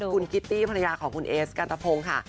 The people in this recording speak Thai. คุณคิตตี้ภรรยาของคุณเอสกันตะพงค่ะ